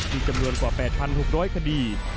มีจำนวนกว่า๘๖๐๐คดี